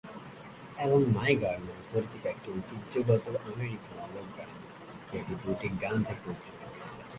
এবং "my girl" নামে পরিচিত, একটি ঐতিহ্যগত আমেরিকান লোক গান, যেটি দুটি গান থেকে উদ্ভূত।